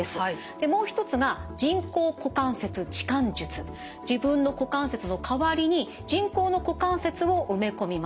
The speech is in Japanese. もう一つが自分の股関節の代わりに人工の股関節を埋め込みます。